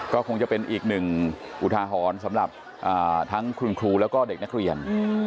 ก็คงจะเป็นอีกหนึ่งอุทาหรณ์สำหรับทั้งคุณครูแล้วก็เด็กนักเรียน